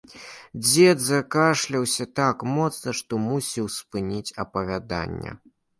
Дзед закашляўся так моцна, што мусіў спыніць апавяданне.